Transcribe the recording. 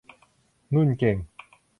นุ้นเก่ง